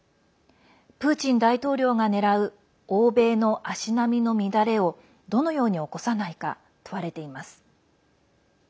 プーチン大統領がねらう欧米の足並みの乱れをどのように起こさないか問われています。